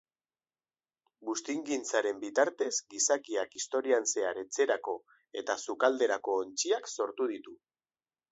Buztingintzaren bitartez, gizakiak historian zehar etxerako eta sukalderako ontziak sortu ditu